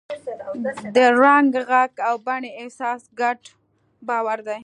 د رنګ، غږ او بڼې احساس ګډ باور دی.